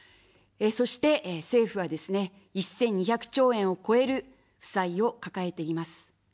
そして、政府はですね、１２００兆円を超える負債を抱えています。